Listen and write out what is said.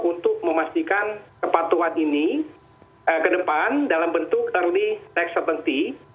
untuk memastikan kepatuhan ini ke depan dalam bentuk early tax hartainty